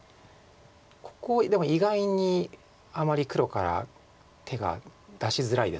ここでも意外にあまり黒から手が出しづらいです。